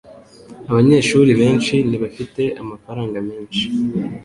Abanyeshuri benshi ntibafite amafaranga menshi.